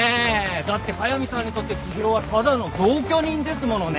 だって速見さんにとって知博はただの同居人ですものね。